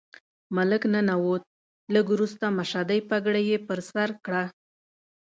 ملک ننوت، لږ وروسته مشدۍ پګړۍ یې پر سر کړه.